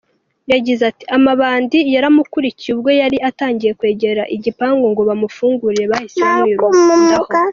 Yagize ati “Amabandi yaramukurikiye ubwo yari atangiye kwegera igipangu ngo bamufungurire bahise bamwirundaho.